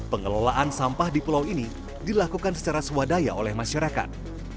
pengelolaan sampah di pulau ini dilakukan secara swadaya oleh masyarakat